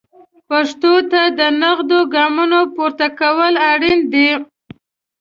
پښتو ته د نغدو ګامونو پورته کول اړین دي.